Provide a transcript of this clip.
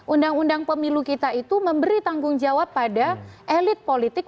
undang undang pemilu kita itu memberi tanggung jawab pada elit politik